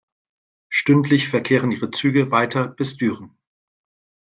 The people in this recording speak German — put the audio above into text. Stündlich verkehren ihre Züge weiter bis Düren.